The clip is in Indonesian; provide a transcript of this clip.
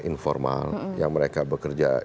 informal yang mereka bekerja